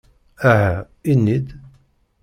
Aha, ini-d!